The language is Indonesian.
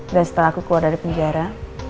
dan setelah aku keluar dari penjara